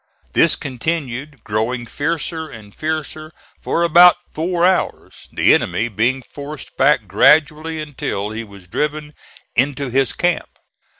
This continued, growing fiercer and fiercer, for about four hours, the enemy being forced back gradually until he was driven into his camp.